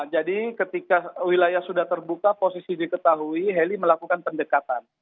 jadi ketika wilayah sudah terbuka posisi diketahui heli melakukan pendekatan